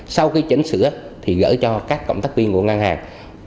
sau khi chỉnh sửa thì gửi cho các cộng tác viên của ngân hàng